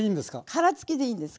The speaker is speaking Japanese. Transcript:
殻付きでいいんです。